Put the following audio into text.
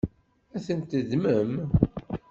Ad tent-teddmem?